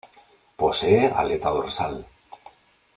Posee aleta dorsal.